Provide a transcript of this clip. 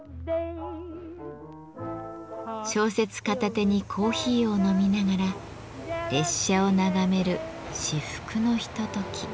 小説片手にコーヒーを飲みながら列車を眺める至福のひととき。